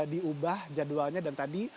diubah jadwalnya dan tadi